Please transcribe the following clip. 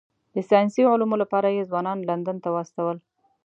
د ساینسي علومو لپاره یې ځوانان لندن ته واستول.